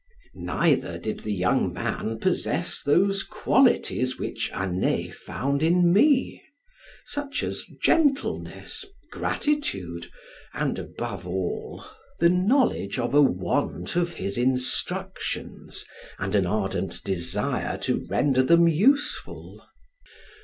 Neither did the young man possess those qualities which Anet found in me; such as gentleness, gratitude, and above all, the knowledge of a want of his instructions, and an ardent desire to render them useful.